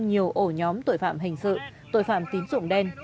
nhiều ổ nhóm tội phạm hình sự tội phạm tín dụng đen